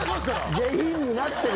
下品になってる。